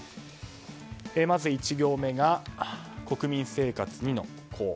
まず１行目国民生活にの「コ」。